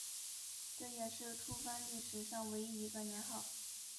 这也是吐蕃历史上唯一一个年号。